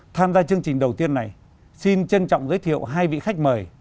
tham gia chương trình đầu tiên này xin trân trọng giới thiệu hai vị khách mời